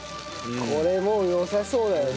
これもうよさそうだよね。